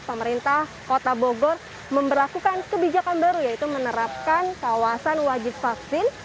pemerintah kota bogor memperlakukan kebijakan baru yaitu menerapkan kawasan wajib vaksin